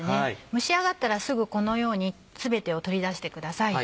蒸し上がったらすぐこのように全てを取り出してください。